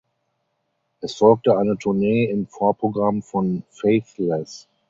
Es folgte eine Tournee im Vorprogramm von Faithless.